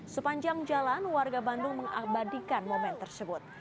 sepanjang jalan warga bandung mengabadikan momen tersebut